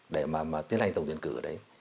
để mà tiến hành tổng tuyển cử ở đấy